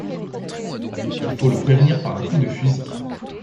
Il faut le prévenir par un coup de fusil!